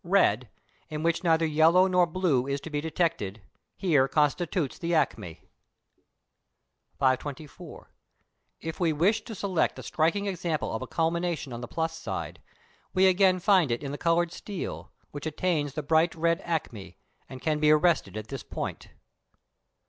Red, in which neither yellow nor blue is to be detected, here constitutes the acme. 524. If we wish to select a striking example of a culmination on the plus side, we again find it in the coloured steel, which attains the bright red acme, and can be arrested at this point.